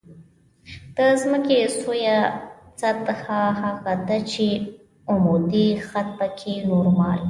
د ځمکې سویه سطح هغه ده چې عمودي خط پکې نورمال وي